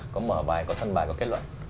có mở bài có thân bài có kết luận